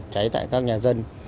cháy tại các nhà dân